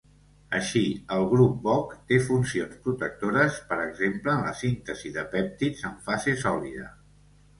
Així, el grup boc té funcions protectores, per exemple en la síntesi de pèptids en fase sòlida.